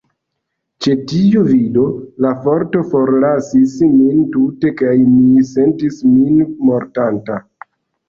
Ĉe tiu vido, la forto forlasis min tute, kaj mi sentis min mortanta.